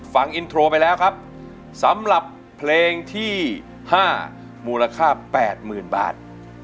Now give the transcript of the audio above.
ฟังอินโทรไปแล้วครับสำหรับเพลงที่๕มูลค่า๘๐๐๐บาท